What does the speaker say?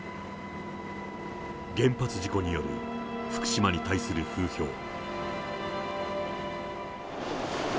原発事故による福島に対する風評。